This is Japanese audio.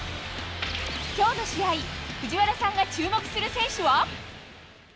きょうの試合、藤原さんが注目する選手は。